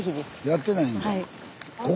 やってないんだ。